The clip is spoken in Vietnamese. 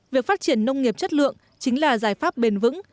việc phát triển nông nghiệp chất lượng chính là giải pháp bền vững